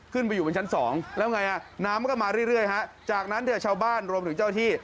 ขึ้นไปอยู่บนชั้นสองแล้วไงน้ำก็มาเรื่อยฮะจากนั้นเนี่ยชาวบ้านรวมถึงเจ้าที่